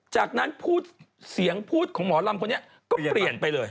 จากนั้นพูดเสียงพูดของหมอลำคนนี้ก็เปลี่ยนไปเลย